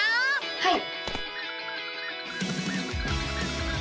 はい！